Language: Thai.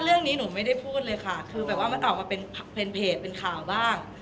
เรื่องนี้หนูไม่ได้พูดเลยค่ะคือแบบว่ามันออกมาเป็นเพจเป็นข่าวบ้าง